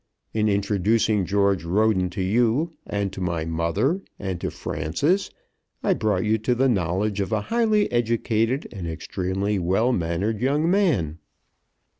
In introducing George Roden to you, and to my mother, and to Frances, I brought you to the knowledge of a highly educated and extremely well mannered young man."